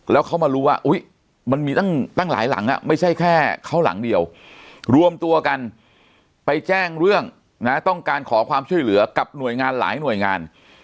แล้วเขามารู้ว่ามันมีตั้งหลายหลังไม่ใช่แค่เขาหลังเดียวรวมตัวกันไปแจ้งเรื่องนะต้องการขอความช่วยเหลือกับหน่วยงานหลายหน่วยงาน